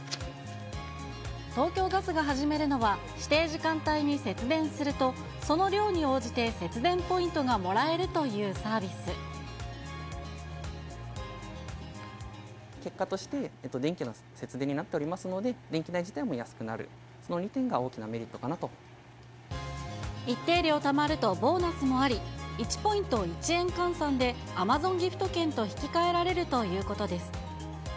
東京ガスが始めるのは、指定時間帯に節電すると、その量に応じて節電ポイントがもらえる結果として、電気の節電になっておりますので、電気代自体も安くなる、その２点が大きなメリ一定量たまるとボーナスもあり、１ポイント１円換算で、アマゾンギフト券と引き換えられるということです。